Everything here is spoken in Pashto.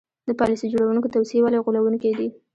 د پالیسي جوړوونکو توصیې ولې غولوونکې دي.